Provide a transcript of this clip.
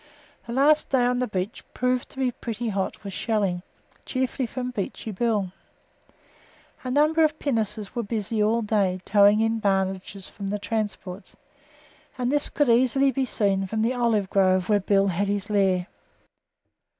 The last day on the beach proved to be pretty hot with shelling, chiefly from Beachy Bill. A number of pinnaces were busy all day towing in barges from the transports, and this could be easily seen from the olive grove where Bill had his lair.